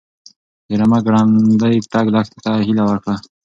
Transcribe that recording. د رمه ګړندی تګ لښتې ته هیله ورکړه.